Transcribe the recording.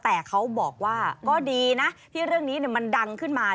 แต่เขาบอกว่าก็ดีนะที่เรื่องนี้มันดังขึ้นมา